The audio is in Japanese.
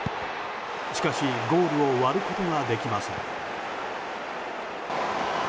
しかし、ゴールを割ることができません。